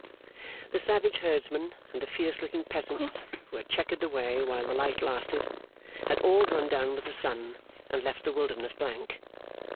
The savage herdsmen and the fierce looking peasants who had chequered the way while the light lasted, had all gone down with the sun, and left the wilderness blank.